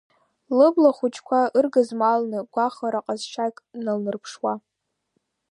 Лыбла хәыҷқәа ыргызмалны, гәахәара-ҟазшьак налнырԥшуа…